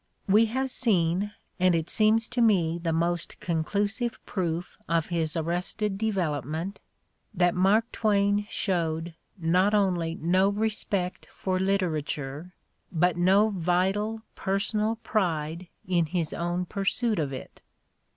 We have seen — and it seems to me the most conclusive proof of his arrested development — that Mark Twain showed not only no respect for literature but no vital, personal pride in his own pursuit of it.